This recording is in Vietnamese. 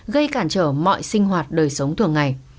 gây cản trở mọi sinh hoạt đời sống thường ngày